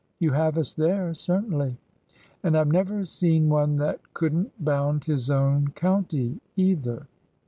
'' You have us there, certainly." " And I 've never seen one that could n't bound his own county, either."